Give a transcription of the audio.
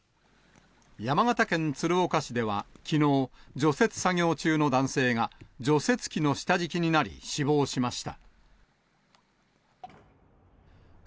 山形県鶴岡市では、きのう、除雪作業中の男性が、除雪機の下敷きになり死亡しました。